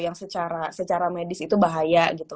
yang secara medis itu bahaya gitu